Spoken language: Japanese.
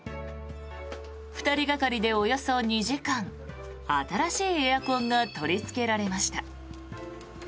２人がかりでおよそ２時間新しいエアコンが取りつけられました。